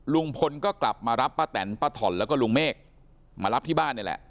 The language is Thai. ลุงพลก็กลับมารับป้าแตนป้าถ่อนแล้วก็ลุงเมฆมารับที่บ้านนี่แหละ